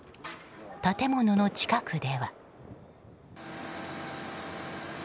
建物の近くでは。